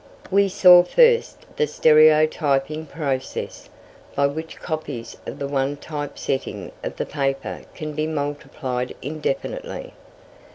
We saw first the stereotyping process, by which copies of the one type setting of the paper can be multiplied indefinitely.